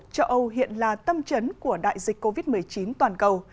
châu âu hiện là tâm trấn của đại dịch covid một mươi chín toàn cầu